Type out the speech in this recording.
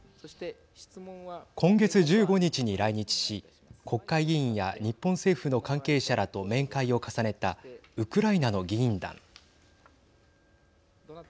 今月１５日に来日し国会議員や日本政府の関係者らと面会を重ねたウクライナの議員団。